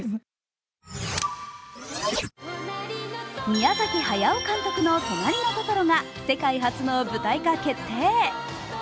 宮崎駿監督の「となりのトトロ」が世界初の舞台化決定。